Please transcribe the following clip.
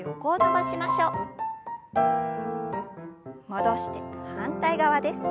戻して反対側です。